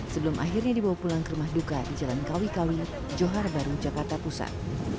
sebelum akhirnya dibawa pulang ke rumah duka di jalan kawi kawi johar baru jakarta pusat